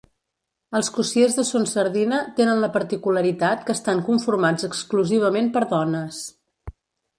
Els cossiers de Son Sardina tenen la particularitat que estan conformats exclusivament per dones.